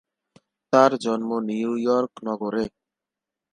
তার জন্ম New York নগরে।